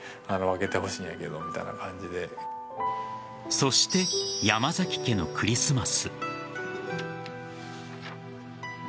そして山崎家のクリスマス。